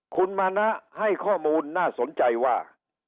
คุณมานะให้ข้อมูลน่าสนใจว่า